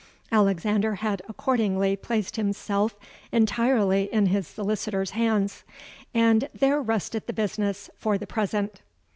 Alexander had accordingly placed himself entirely in his solicitor's hands; and there rested the business for the present.